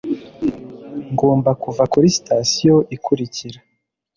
Ngomba kuva kuri sitasiyo ikurikira.